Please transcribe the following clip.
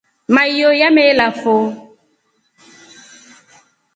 Maiyo nyameelafo.